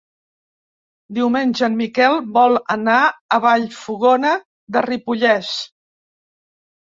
Diumenge en Miquel vol anar a Vallfogona de Ripollès.